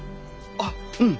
あっうん。